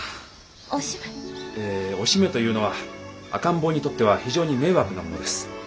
おしめ。えおしめというのは赤ん坊にとっては非常に迷惑なものです。